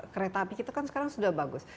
kereta api kita kan sekarang sudah bagus